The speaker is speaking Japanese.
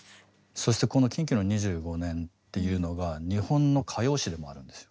そしてこのＫｉｎＫｉの２５年っていうのが日本の歌謡史でもあるんですよ。